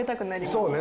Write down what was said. そうね